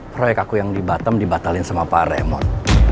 proyek aku yang di batam dibatalin sama pak remote